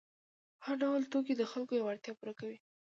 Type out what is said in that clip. هر ډول توکي د خلکو یوه اړتیا پوره کوي.